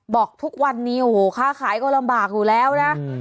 บอกทุกวันนี้โอ้โหค้าขายก็ลำบากอยู่แล้วนะ